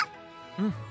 うん。